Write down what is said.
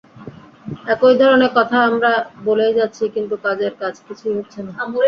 একই ধরনে কথা আমরা বলেই যাচ্ছি কিন্তু কাজের কাজ কিছু হচ্ছে না।